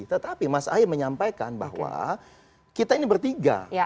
tetapi mas ahy menyampaikan bahwa kita ini bertiga